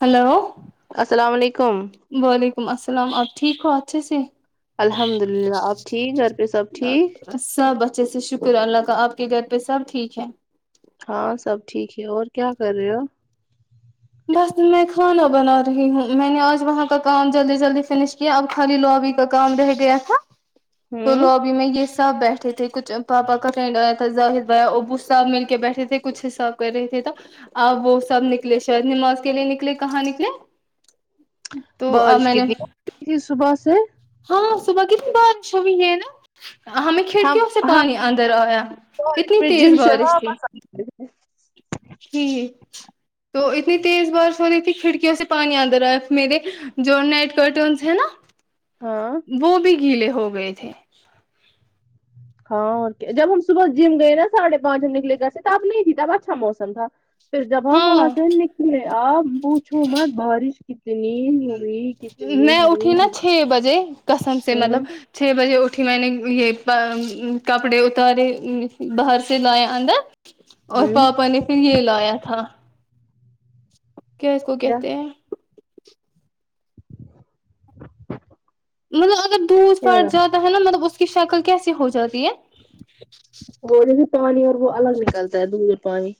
Hello السلام علیکم وعلیکم السلام آپ ٹھیک ہو اچھے سے الحمد للہ آپ ٹھیک گھر پہ سب ٹھیک سب اچھے سے شکر اللہ کا آپ کے گھر پہ سب ٹھیک ہے ہاں سب ٹھیک ہے اور کیا کر رہے ہو بس میں کھانا بنا رہی ہوں میں نے آج وہاں کا کام جلدی جلدی فنش کیا اب خالی لوبی کا کام رہ گیا تھا بولو ہوں اب میں یہ سب بیٹھے تھے کچھ پاپا کا فرینڈ آیا تھا ظاہر بھیا ابو سب مل کے بیٹھے تھے کچھ حساب کر رہے تھے تو اب وہ سب نکلے شاید نماز کے لیے نکلے کہاں نکلے تو اب بارش میں نے کتنی تھی نہ اتنی صبح سے ہاں صبح کتنی بارش ہوئی ہے نہ ہمیں ہم کھڑکیوں سے ہم پانی اندر آیا بارش اتنی میں جم تیز سے بارش تھی واپس آئے تھے۔ فی تو اتنی تیز بارش ہو رہی تھی کھڑکیوں سے پانی اندر آیا میرے جو نیٹ کرٹینس ہے نا ہاں وہ بھی گیلے ہو گئے تھے ہاں اور جب ہم صبح جم گئے نا ساڑھے پانچ نکلے گھر سے تب نہیں تھی تب اچھا موسم تھا پھر جب ہم وہاں ہاں سے نکلے اب پوچھو مت بارش کتنی ہوئی کتنی ہوئی قسم سے ہوں مطلب چھ بجے اٹھی میں نے یہ کپڑے اتارے باہر سے لیے اندر اور ہوں پاپا نے پھر یہ لایا تھا کیا اس کو کہتے ہیں مطلب اگر دودھ کیا ہو پھٹ رہا جاتا ہے نا مطلب اس کی شکل کیسی ہو جاتی ہے وہ جیسے پانی اور وہ الگ نکلتا ہے دودھ اور پانی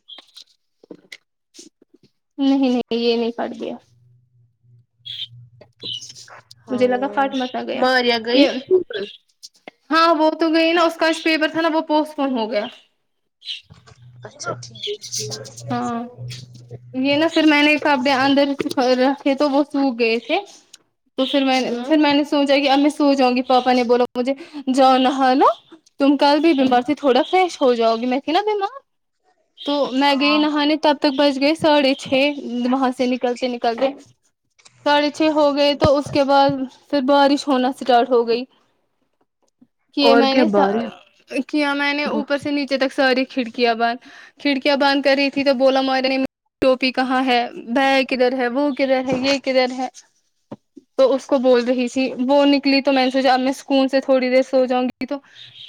نہیں نہیں یہ نہیں پھٹ دیا مجھے لگا ہاں پھٹ متا گیا ماریا گئی اسکول ہاں وہ تو گئی نا اس کا جو شیور تھا نا وہ پوسٹپون ہو گیا اچھا ٹھیک ٹھیک ہاں یہ نا پھر میں نے کہاں اپ اندر رکھے تو وہ سوکھ گئے تھے تو پھر میں پھر ہوں میں نے سو جائے ہم سو جاوں گی پاپا نے بول مجھے جاؤ نہا لو تم کل بھی بیمار سے تھوڑا فریش ہو جاؤ گی میں تھی نا بیمار تو میں گئی ہاں نہانے تب تک بچ گئے ساڑھے چھ وہاں سے نکلتے نکلتے ساڑھے چھ ہو گئے تو اس کے بعد پھر بارش ہونا اسٹارٹ ہو گئی کی اور میں کیا نے بارش کیا میں نے اوپر سے نیچے تک ساری کھڑ کیاں باندھ کھڑکیاں باند کر رہی تھی تو بولا منے ٹوپی کہاں ہے بھیا کدھر ہے وہ کدھر ہے یہ کدھر ہے تو اس کو بول رہی تھی وہ نکلی تو میں نے سوچا اب میں سکون سے تھوڑی دیر سو جاؤں گی تو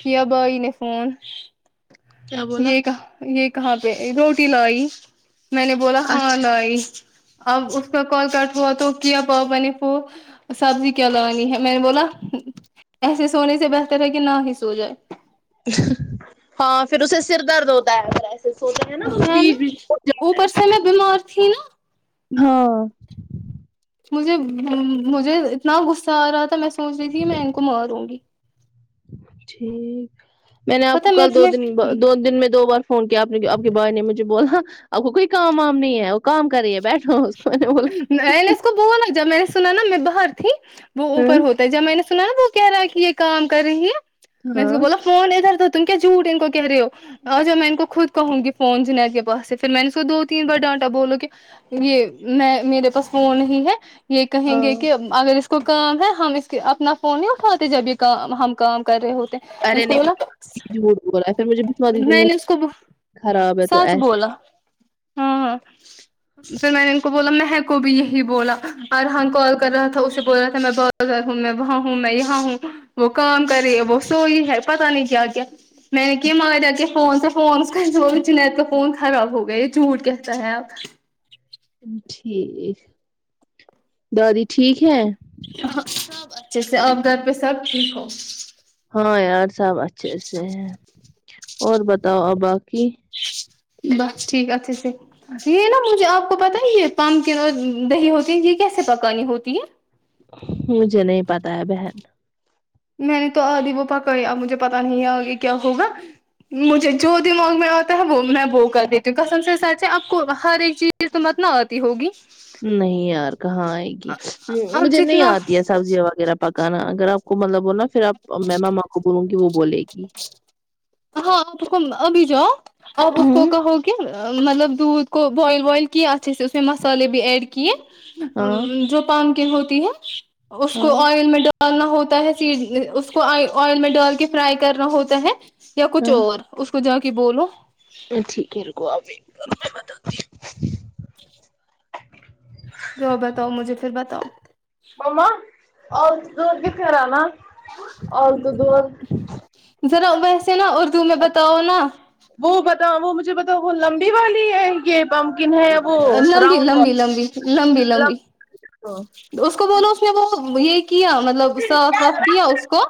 کیا بھائی نے فون کیا بولا یہ کہاں یہ کہاں پہ روٹی لائی میں نے بولا ہاں اچھا لائی اب اس کا کال کٹ ہوا تو کیا پاپا نے فو سبزی کیا لانی ہے میں نے بولا ایسے سونے سے بہتر ہے کہ نہ ہی سو جائے ہاں پھر اسے سر درد ہوتا ہے ایے ہے نا اوپر سے میں بیمار تھی نا ہاں مجھے مجھے اتنا غصہ آ رہا تھا میں سوچ رہی تھی کہ میں ان کو ماروں گی ٹھیک میں نے آپ کو پتا میں کل دو دن تمہیں دو دن میں دو بار فون کیا آپ کے بھائی نے مجھے بولا آپ کو کوئی کام وام نہیں ہے وہ کام کری ہے بیٹھو کو میں نے بولا میں نے اس کو بولا جب میں نے سنا نا میں باہر تھی وہ اوپر ہوں ہو خب میں نے سنا نہ وہ کہہ رہا ہے کہ یہ کام کر رہی ہے میں اس ہاں کو بولا فون ادھر تو تم کیا جھوٹ ان کو کہہ رہے ہو اچھا میں ان کو خود کہوں گی فون جنید کے پاس سے پھر میں نے اس کو دو تین بار ڈانٹا بولو کہ یہ میں میرے پاس فون ہی ہے یہ کہیں ہاں گے کہ اگر اس کو کام ہے ہم اس کے اپنا فون نہیں اٹھاتے جب یہ کام ہم کام کر رہے ہوتے ہیں۔ میں نے اس ارے کو نہیں بولا جھوٹ بول رہا پھر مجھے بسوا دی میں نے اس کو خراب ہے تو سچ ایسے بولا ہاں ہاں میں بولا میں کو بھی یہی بولا اور فرحان کال کر رہا تھا اسے بول رہا تھا میں بہت زیادہ میں وہ ہوں میں یہاں ہوں وہ کام کری وہ سوئی ہے پتا نہیں کیا کیا میں نے کیا مگا دا کہے فون سے فون چنید کا فون خراب ہو گیا ہے جھوٹ کہتا ہے اب ٹھیک دادی ٹھیک ہے سب اچھے سے اب گھر پہ سب ٹھیک ہو ہاں یار سب اچھے سے ہیں اور بتاؤ آ باقی بس ٹھیک اچھے سے یہ نا مجھے آپ کو پتہ ہے یہ پمکن اور دہی ہوتی ہے یہ کیسے پکانی ہوتی ہے مجھے نہیں پتا ہے بہن میں نے تو آدھی وہ پکای اب مجھے پتا نہیں آگے کیا ہوگا مجھے جو دماغ میں آتا ہے وہ میں وہ کر دیتی ہوں قسم سے سچ ہے آپ کو ہر ایک چیز اس مت نہ آتی ہوگی نہیں یار کہاں آئے گی آپ مجھے نہیں جتنا آتی ہے سبزیاں وغیرہ پکانا اگر آپ کو مطلب وہ نا پھر آپ میں مما کو بولوں وہ بولے گی ہاں آپ کو ابھی جاؤ آپ اس کو ہوں کہو مطلب دودھ کو بوائل وائل کیا اچھا سے اس میں مسالے بھی ایڈ کر کی ہاں یہ جو پامکن کی ہوتی ہے اس کو ہاں آئل میں ڈالنا ہوتا ہے اس کو آی آئل میں ڈال کے فرائی کرنا ہوتا ہے یا کچھ ہاں اور اس کو جا کے بولو ٹھیک ہے رکو ابھی اب بتاتھی ہوں جاو بتاؤ مجھے پھر بتاؤ مما [unintelligible] آول تو دھ کتے رنا آول تو دورھ ذرا ویسے نا اردو میں بتاؤ نا وہ بتاؤ وہ مجھے بتاؤ وہ لمبی والی ہے یہ پمکن ہے یا وہ لمبی راؤنڈ لمبی والی لمبی لمبی لمبی اس کو بولو اس نے وہ یہ کیا مطلب صاف واف کیا اس کو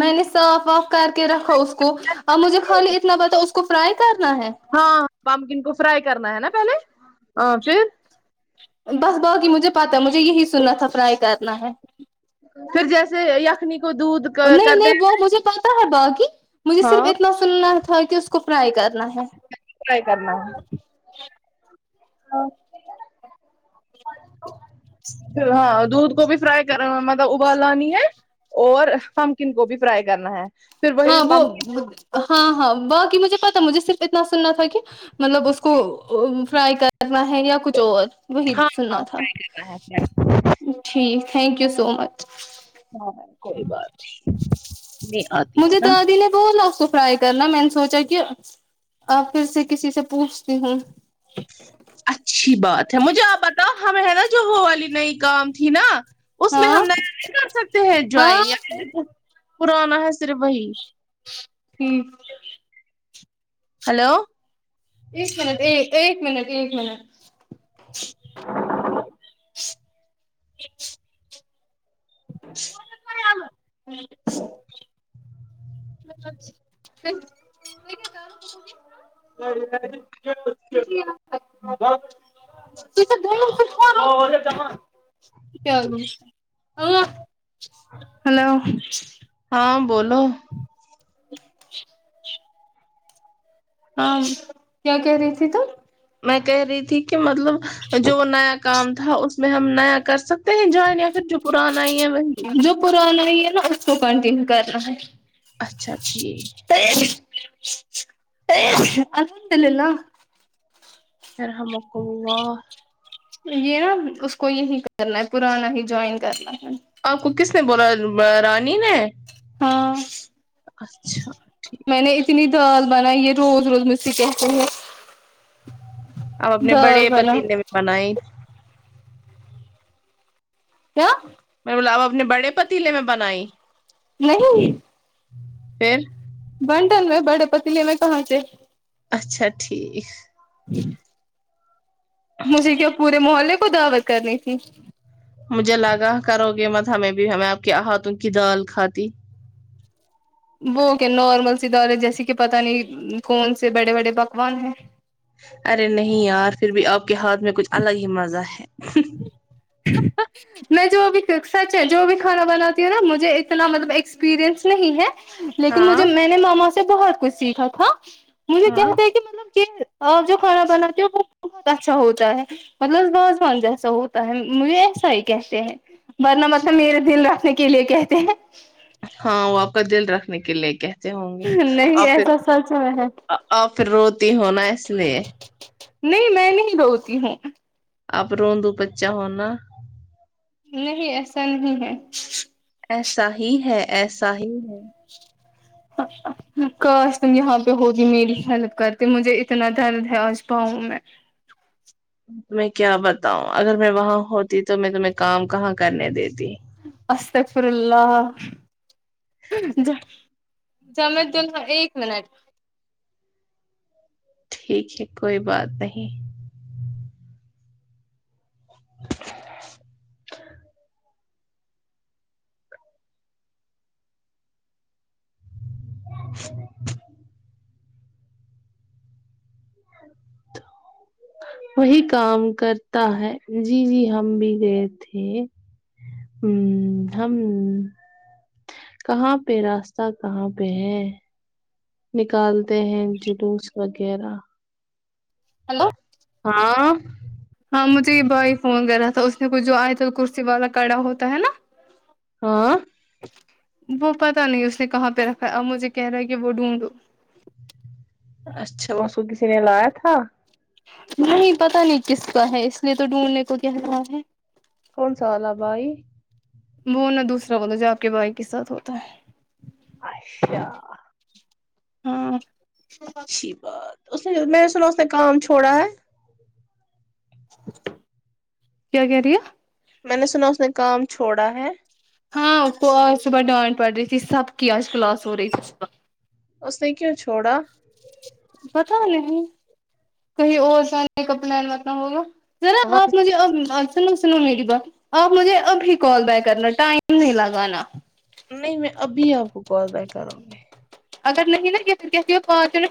میں نے صاف واف کر کے رکھا اس کو اب مجھے خالی اتنا بتاؤ اس کو فرائی کرنا ہے ہاں پامکن کو فرائی کرنا ہے نا پہلے آ پھر بس باقی مجھے پتا ہے مجھے یہی سننا تھا فرائی کرنا ہے پھر جیسے یا نہیں نہیں وہ مجھے پتا ہے باقی ہاں تلنا تھا کہ اس کو فرائی کرنا ہے فرائی کرنا ہے ہاں دودھ کو بھی فرائی مطلب ابال لانی ہے اور پامکن کو بھی فرائی کرنا ہے پھر وہی ہاں وہ پمکن ہاں ہاں باقی مجھے پتا مجھے صرف اتنا سننا تھا کہ مطلب اس کو فرائی کرنا ہے یا کچھ اور وہی ہاں سننا ہاں تھا فرائی کرنا ہے فرائی ٹھیک تھینک یو سو مچ ہاں کوئی بات نہیں آتی مجھے ہے نا دادی بولا سو فرائی کرنا میں نے سوچا کہ آپ پھر سے کسی سے پوچھتی ہوں اچھی بات ہے مجھے آپ بتاؤ ہمیں ہے نا جو وہ والی نئی کام تھی نا اس میں ہاں ہم نئے نہیں کر سکتے ہیں ہاں جوائن یا پرانا ہے صرف وہی ہوں ہیلو ایک منٹ ایک ایک منٹ ایک منٹ [inaudible] [inaudible] کیا [inaudible] ا [unintelligible] گ [unintelligible] [inaudible] ہیلو ہاں بولو [inaudible] ہاں کیا کہہ رہی تھی تم میں کہہ رہی تھی کہ مطلب جو نیا کام تھا اس میں ہم نیا کر سک کہیں جان یا پھر جو پرانا ہی ہیں وہ جو پرانا ہی ہے نا اس کو کنٹینیو کرنا ہے اچھا ٹھیک الحمدللہ یرحمک اللہ یہ نا اس کو یہی کرنا ہے پرانا ہی جوائن کرنا ہے آپ کو کس نے بولا با رانی نے ہاں اچھا ٹھیک میں نے اتنی دال بنائی ہے روز روز مجھ سے کہتے ہیں اب اپنے بڑے دال پتلے بنا نے بھی بنائی کیا میں بلاب اپنے بڑے پتیلے میں بنائی نہیں پھر بنڈن میں بڑے پتلیے میں پہنچے اچھا ٹھیک جی مجھے کیا پورے محلے کو دعوت کرنی تھی مجھے لگا کرو گے مت ہمیں بھی ہمیں آپ کے آہاتوں کی دال کھاتی وہ کیا نارمل سی دال ہے جیسے کہ پتا نہیں کون سے بڑے بڑے پکوان ہیں ارے نہیں یار پھر بھی آپ کے ہاتھ میں کچھ الگ ہی مزہ ہے میں جو بھی سچ ہے جو بھی کھانا بناتی ہوں نا مجھے اتنا مطلب ایکسپیرئنس نہیں ہے لیکن ہاں مجھے میں نے ماما سے بہت کچھ سیکھا تھا مجھے ہاں کہتا ہے کہ مطلب یہ اور جو کھانا بناتی وہ بہت اچھا ہوتا ہے مطلب وازوان جیسا ہوتا ہے مجھے صحیح کہتے ہیں ورنہ مطلب میرے دل رکھنے کے لیے کہتے ہیں ہاں وہ آپ کا دل رکھنے کے لے کہ تے ہوں گے نہیں اور پھر ایسا سچ میں ہے آپ پھر روتی ہونا اس لیے نہیں میں نہیں روتی ہوں آپ رونندو بچا ہونا نہیں ایسا نہیں ہے ایسا ہی ہے ایسا ہی ہے کاش تم یہاں پہ ہوگی میری ہیلپ کرتی مجھے اتنا درد ہے آج پاؤں میں تمہیں کیا بتاؤں اگر میں وہاں ہوتی تو میں تمہیں کام کہاں کرنے دیتی استغفر اللہ [unintelligible] جمت دن ایک منٹ ٹھیک ہے کوئی بات نہیں تو وہی کام کرتا ہے جی جی ہم بھی گئے تھے ہمم ہم کہاں پہ راستہ کہاں پہ ہے نکالتے ہیں جلوس وغیرہ ہلو ہاں ہاں مجھے یہ بھائی فون کرا تھا اس نے کچھ جو آئتلکرسی والا کڑا ہوتا ہے نا ہاں وہ پتا نہیں اس نے کہاں پہ رکھا ہے اب مجھے کہہ رہا ہے کہ وہ ڈھونڈو اچھا واں سے کسی نے لایا تھا نہیں پتہ نہیں کس کا ہے اس لیے تو ڈھونڈنے کو کہ رہا ہے کون سالا بھائی وہ نہ دوسرا والا جو آپ کے بھائی کے ساتھ ہوتا ہے اچھا ہاں اور اچھی بات اس نے میں نے سنا اس نے کام چھوڑا ہے کیا کہہ رہی ہے میں نے سنا اس نے کام چھوڑا ہے ہاں اس کو آج صبح ڈانٹ پڑ رہی تھی سب کی آج کلاس ہو رہی تھی صبح اس نے کیوں چھوڑا پتہ نہیں کہیں اور جانے کا پلان پتہ ہوگا ذرا آپ مجھے آم آج سنو سنو میری بات آپ مجھے ابھی کال بیک کرنا ٹائم نہیں لگانا نہیں میں ابھی آپ کو کال بیک کروں گی اگر نہیں نا کہ پھر کہہ دیا کال کرے